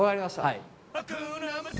はい。